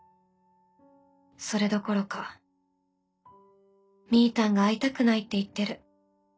それどころか『みぃたんが会いたくないって言ってる。